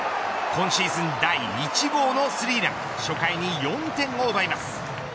今シーズン第１号のスリーラン初回に４点を奪います。